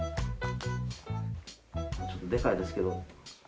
ちょっとでかいですけど。